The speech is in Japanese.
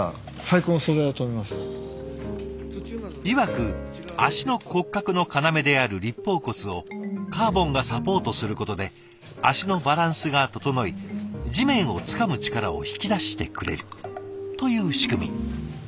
いわく足の骨格の要である立方骨をカーボンがサポートすることで足のバランスが整い地面をつかむ力を引き出してくれるという仕組み。